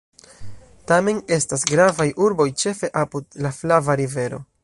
Tamen estas gravaj urboj, ĉefe apud la Flava Rivero.